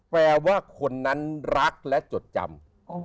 แปลว่าคนนั้นรักและจดจำ